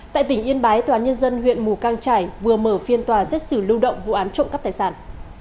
tại tỉnh yên bái tòa án nhân dân huyện mù căng trải vừa mở phiên tòa xét xử lưu động vụ án trộm cắp tài sản